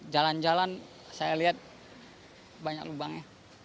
jalan jalan saya lihat banyak lubangnya